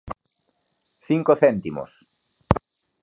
Cinco céntimos.